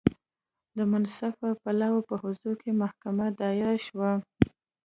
د منصفه پلاوي په حضور کې محکمه دایره شوه.